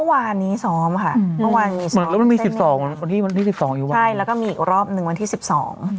วันนี้ซ้อมค่ะวันที่สิบสองแล้วก็มีอีกรอบหนึ่งวันที่สิบสอง